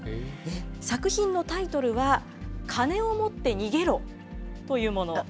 作品のタイトルは、金を持って逃げろというもの。